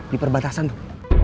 di perbatasan tuh